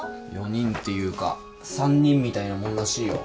４人っていうか３人みたいなもんらしいよ。